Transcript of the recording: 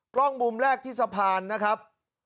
กล้องมุมแรกที่สะพานนะครับ